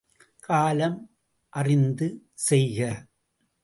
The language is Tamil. காலம் அறிந்து செய்க!